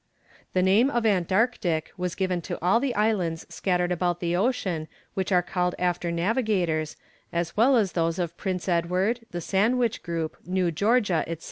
The name of Antarctic is given to all the islands scattered about the ocean which are called after navigators, as well as those of Prince Edward, the Sandwich group, New Georgia, &c.